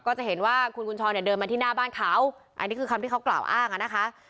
ก็จะเห็นว่าคุณกุญชรเนี่ยเดินมาที่หน้าบ้านเขาอันนี้คือคำที่เขากล่าวอ้างอ่ะนะคะ